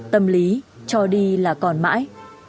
tâm lý cho đi là còn mãi